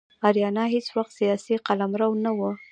آریانا هیڅ وخت سیاسي قلمرو نه و.